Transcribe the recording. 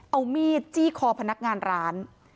เอามีดจี้คอพนักงานร้าน